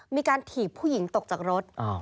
มีการถีบผู้หญิงตกจากรถ